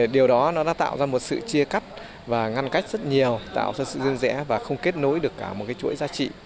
điều đó đã tạo ra một sự chia cắt và ngăn cách rất nhiều tạo ra sự dân dẻ và không kết nối được cả một chuỗi giá trị